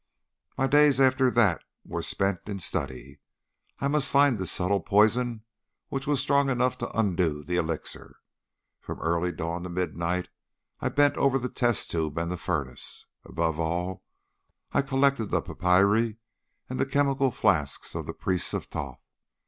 "My days after that were spent in study. I must find this subtle poison which was strong enough to undo the elixir. From early dawn to midnight I bent over the test tube and the furnace. Above all, I collected the papyri and the chemical flasks of the Priest of Thoth.